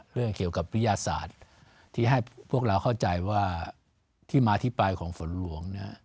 เรื่องเกี่ยวกับวิทยาศาสตร์ที่ให้พวกเราเข้าใจว่าที่มาที่ไปของฝนหลวง